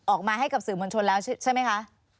ออกมาให้กับสื่อมวลชนแล้วใช่ไหมคะ